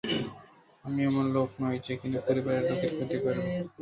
আমি এমন লোক নই যে কিনা পরিবারের লোকেদের ক্ষতি করবে।